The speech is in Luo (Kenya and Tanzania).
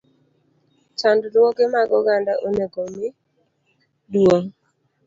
Chandruoge mag oganda onego omi duong`.